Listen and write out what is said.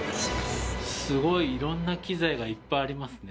すごいいろんな機材がいっぱいありますね。